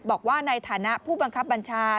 บอกว่าในฐานะผู้บังคับบัญชา